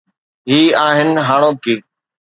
هي آهن هاڻوڪي.